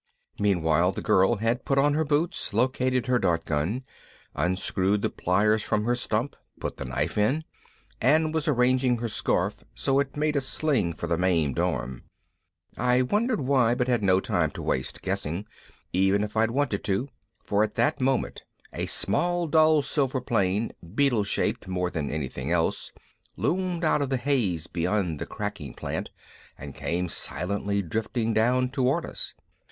Meanwhile the girl had put on her boots, located her dart gun, unscrewed the pliers from her stump, put the knife in, and was arranging her scarf so it made a sling for the maimed arm I wondered why but had no time to waste guessing, even if I'd wanted to, for at that moment a small dull silver plane, beetle shaped more than anything else, loomed out of the haze beyond the cracking plant and came silently drifting down toward us.